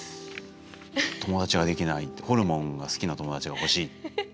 友達ができないってホルモンが好きな友達が欲しい。